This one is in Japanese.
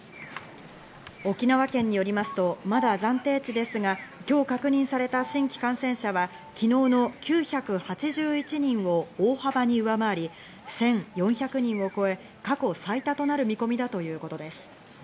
沖縄県によりますとまだ暫定値ですが、今日確認された新規感染者は昨日の９８１人を大幅に上回り、１４００人を超え、過去最多となる見込みだということです。